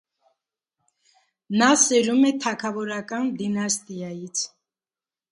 Նա սերում է թագավորական դինաստիայից։